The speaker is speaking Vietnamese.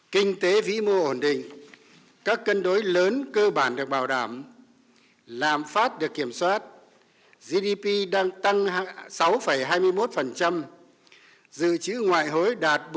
kinh tế vĩ mô ổn định các cân đối lớn cơ bản được bảo đảm lạm phát được kiểm soát gdp đang tăng sáu hai mươi một dự trữ ngoại hối đạt bốn năm